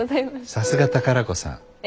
さすが宝子さん。え？